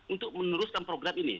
untuk meneruskan program ini